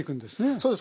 そうです。